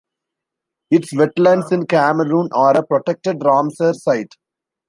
Its wetlands in Cameroon are a protected Ramsar site.